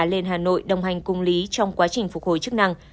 lên hà nội đồng hành cùng lý trong quá trình phục hồi chức năng